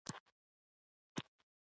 که د ملګرو دعاګانو کار ورکړ.